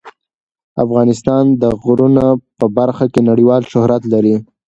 افغانستان د غرونه په برخه کې نړیوال شهرت لري.